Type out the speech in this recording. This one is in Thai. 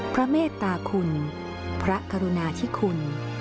เมตตาคุณพระกรุณาธิคุณ